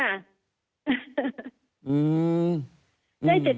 ได้แต่ตัวเลขค่ะ